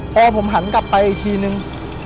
พอผมหันกลับไปอีกทีนึง